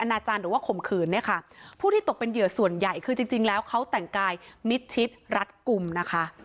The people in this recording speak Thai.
อาจารย์หรือว่าข่มขืนเนี่ยค่ะผู้ที่ตกเป็นเหยื่อส่วนใหญ่คือจริงจริงแล้วเขาแต่งกายมิดชิดรัดกลุ่มนะคะ